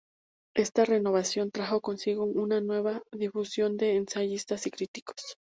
Esta renovación trajo consigo una nueva difusión de ensayistas y críticos.